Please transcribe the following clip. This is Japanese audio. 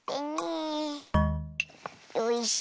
よいしょ。